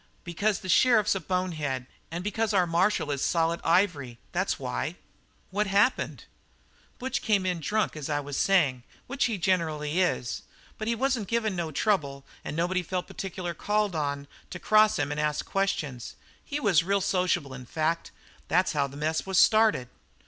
"Because the sheriff's a bonehead and because our marshal is solid ivory. That's why." "What happened?" "Butch came in drunk, as I was saying, which he generally is, but he wasn't giving no trouble at all, and nobody felt particular called on to cross him and ask questions. He was real sociable, in fact, and that's how the mess was started."